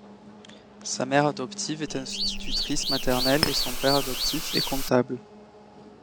Sa mère adoptive est institutrice maternelle et son père adoptif est comptable.